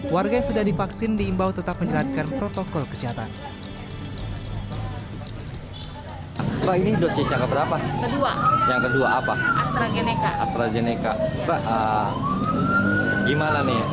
warga yang sudah divaksin diimbau tetap menjalankan protokol kesehatan